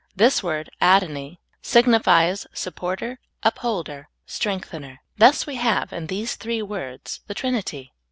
This word adoni signifies supporter, upholder, strengthener. Thus we have, in these three words, the Trinity.